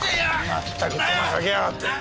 まったく手間かけやがって。